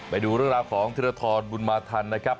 ไปดูเรื่องราวของธิรทรบุญมาทันนะครับ